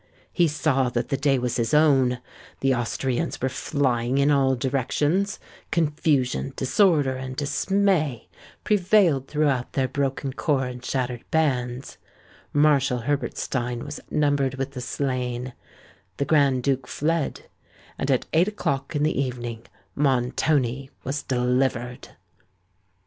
He saw that the day was his own;—the Austrians were flying in all directions;—confusion, disorder, and dismay prevailed throughout their broken corps and shattered bands;—Marshal Herbertstein was numbered with the slain;—the Grand Duke fled;—and at eight o'clock in the evening Montoni was delivered.